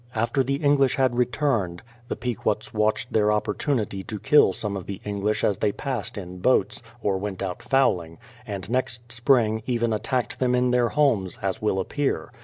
After the 282 BRADFORD'S HISTORY English had returned, the Pequots watched their oppor tunity to kill some of the English as they passed in boats, or went out fowling; and next spring even attacked them in their homes, as will appear.